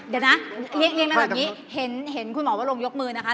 เดี๋ยวนะคะเดี๋ยวนะเห็นคุณหมอว่าลุงยกมือนะคะ